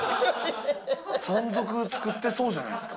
山賊、作ってそうじゃないですか？